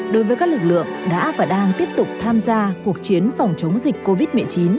đối với các lực lượng đã và đang tiếp tục tham gia cuộc chiến phòng chống dịch covid một mươi chín